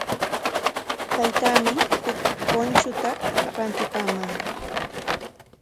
Taytaami huk punchuta rantipamanqa.